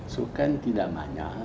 sukan tidak banyak